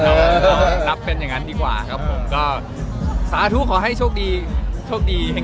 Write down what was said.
ก็รับเป็นอย่างนั้นดีกว่าครับผมก็สาธุขอให้โชคดีโชคดี